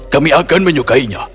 kami akan menyukainya